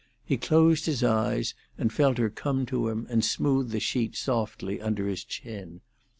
He closed his eyes, and felt her come to him and smooth the sheet softly under his chin.